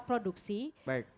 baik kita bicara produksi